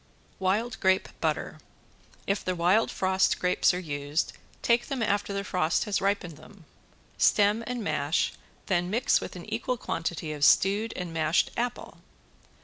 ~WILD GRAPE BUTTER~ If the wild frost grapes are used, take them after the frost has ripened them. Stem and mash, then mix with an equal quantity of stewed and mashed apple.